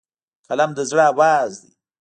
قلم د زړه آواز دی